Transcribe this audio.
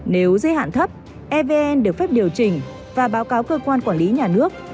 nếu giới hạn thấp evn được phép điều chỉnh và báo cáo cơ quan quản lý nhà nước